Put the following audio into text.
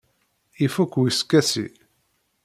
Ifuk weskasi.